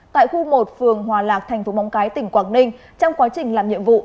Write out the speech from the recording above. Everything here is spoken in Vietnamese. tại khu một phường hòa lạc tp mong cái tỉnh quảng ninh trong quá trình làm nhiệm vụ